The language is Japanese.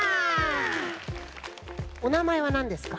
おなまえはなんですか？